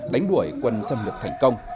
đánh đuổi quân xâm lược thành công